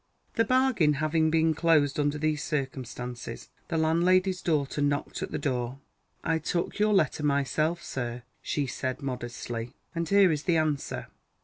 The bargain having been closed under these circumstances, the landlady's daughter knocked at the door. "I took your letter myself, sir," she said modestly; "and here is the answer."